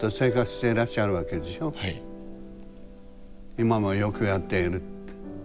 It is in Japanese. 今もよくやっているって。